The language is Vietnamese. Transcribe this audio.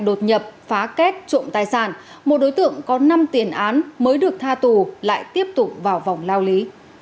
đột nhập phá kết trộm tài sản một đối tượng có năm tiền án mới được tha tù lại tiếp tục vào vòng lao lý